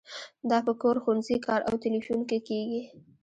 دا په کور، ښوونځي، کار او تیلیفون کې کیږي.